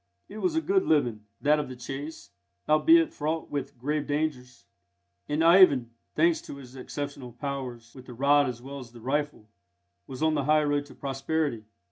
It was a good living, that of the chase, albeit fraught with grave dangers; and Ivan, thanks to his exceptional powers with the rod as well as the rifle, was on the high road to prosperity.